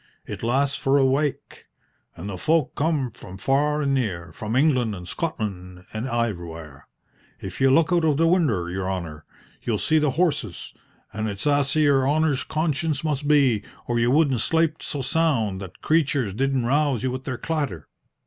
It lasts for a wake, and the folk come from far an' near from England an' Scotland an' iverywhere. If you look out of the winder, your honour, you'll see the horses, and it's asy your honour's conscience must be, or you wouldn't slape so sound that the creatures didn't rouse you with their clatter."